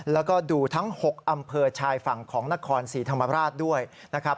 แล้วก็ดูทั้ง๖อำเภอชายฝั่งของนครศรีธรรมราชด้วยนะครับ